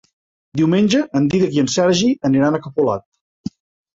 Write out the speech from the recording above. Diumenge en Dídac i en Sergi aniran a Capolat.